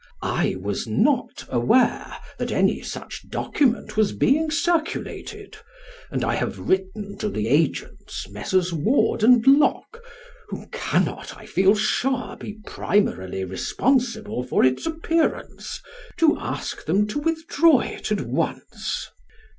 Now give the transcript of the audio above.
I was not aware that any such document was being circulated; and I have written to the agents, Messrs. Ward and Lock who cannot, I feel sure, be primarily responsible for its appearance to ask them to withdraw it at once.